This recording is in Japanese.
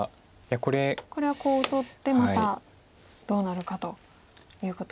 これはコウを取ってまたどうなるかということですね。